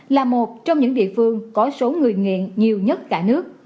là một trong những địa phương có số người nghiện nhiều nhất cả nước